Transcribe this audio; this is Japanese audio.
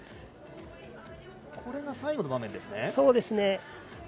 これが最後の場面ですね。